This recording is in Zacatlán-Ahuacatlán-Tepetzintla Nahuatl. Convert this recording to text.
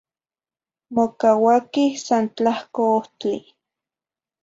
Mocauaquih san tlahco ohtli